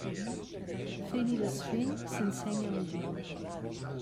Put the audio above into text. Fent i desfent s'ensenya la gent.